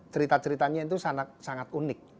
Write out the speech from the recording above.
cerita ceritanya itu sangat unik